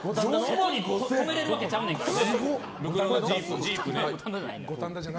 止めれるわけちゃうねんから。